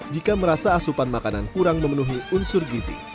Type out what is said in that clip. jika merasa asupan makanan kurang memenuhi unsur gizi